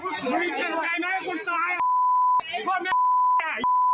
ขึ้นเหนือแล้วค่ะก็คือแบบพวกเราขอโทษนะฮะ